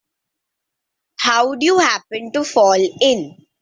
How'd you happen to fall in?